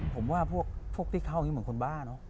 ผมว่าพวกที่เข้าอย่างนี้เหมือนคนบ้าเนอะ